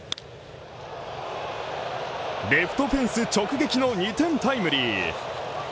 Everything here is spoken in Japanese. レフトフェンス直撃の２点タイムリー。